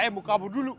saya mau kabur dulu